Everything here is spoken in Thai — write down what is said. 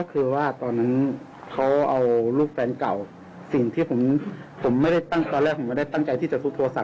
ก็คือว่าตอนนั้นเขาเอาลูกแฟนเก่าสิ่งที่ตอนแรกผมไม่ได้ตั้งใจที่จะซุดโทรศัพท์